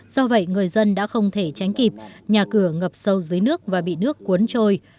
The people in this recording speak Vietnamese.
do vậy người dân đã không thể tránh kịp nhà cửa ngập sâu dưới nước và bị nước cuốn trôi